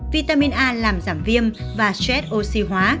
vitamin a làm giảm viêm và stress oxy hóa